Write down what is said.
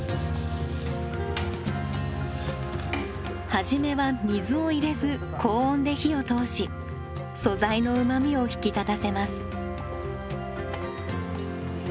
初めは水を入れず高温で火を通し素材のうまみを引き立たせます。